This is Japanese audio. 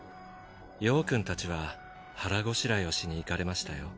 葉くんたちは腹ごしらえをしに行かれましたよ。